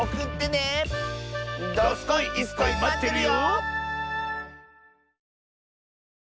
どすこいいすこいまってるよ！